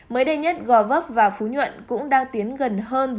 mới đây nhất gò vấp và phú nhuận cũng đang tiến gần hơn